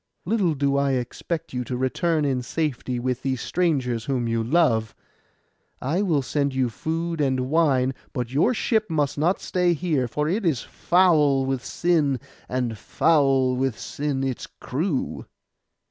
Little do I expect you to return in safety with these strangers whom you love. I will send you food and wine: but your ship must not stay here, for it is foul with sin, and foul with sin its crew.